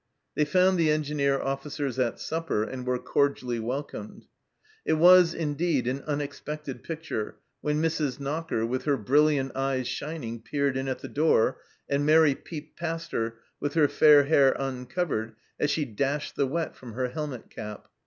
They found the Engineer officers at supper, and were cordially welcomed. It was, indeed, an unex pected picture when Mrs. Knocker, with her brilliant eyes shining, peered in at the door, and Mairi peeped past her, with her fair hair uncovered, as she dashed the wet from her helmet cap.